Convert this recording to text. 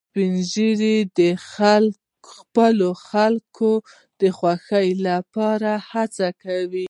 سپین ږیری د خپلو خلکو د خوښۍ لپاره هڅې کوي